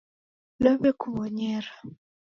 Nawekuwonyera